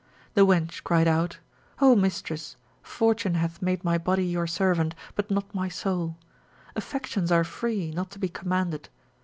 The wench cried out, O mistress, fortune hath made my body your servant, but not my soul! Affections are free, not to be commanded.